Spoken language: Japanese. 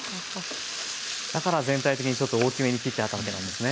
だから全体的にちょっと大きめに切ってあったわけなんですね。